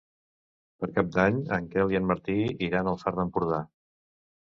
Per Cap d'Any en Quel i en Martí iran al Far d'Empordà.